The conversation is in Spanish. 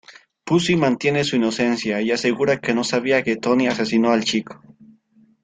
Pussy mantiene su inocencia y asegura que no sabía que Tony asesinó al chico.